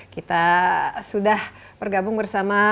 kita sudah bergabung bersama